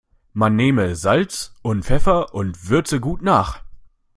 Man nehme Salz und Pfeffer und würze gut nach.